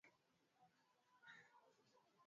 Samia anawarejeshea Watanzania vibali vya kazi